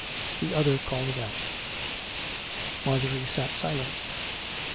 The other called it out." Mar j orie sat silent.